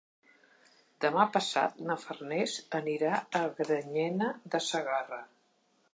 Demà passat na Farners anirà a Granyena de Segarra.